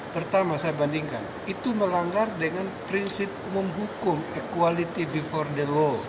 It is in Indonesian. pertama saya bandingkan itu melanggar dengan prinsip umum hukum equality before the law